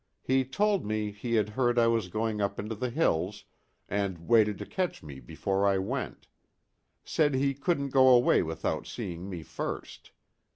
He told me he had heard I was going up into the hills, and waited to catch me before I went. Said he couldn't go away without seeing me first.